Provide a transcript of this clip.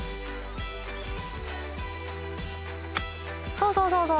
そうそうそうそう。